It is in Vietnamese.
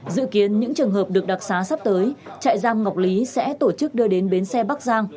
dự kiến những trường hợp được đặc xá sắp tới trại giam ngọc lý sẽ tổ chức đưa đến bến xe bắc giang